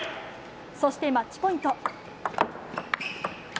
そして、マッチポイント。